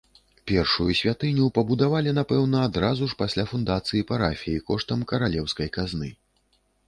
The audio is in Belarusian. Першую святыню пабудавалі, напэўна, адразу ж пасля фундацыі парафіі коштам каралеўскай казны.